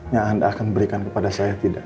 yang anda akan berikan kepada saya tidak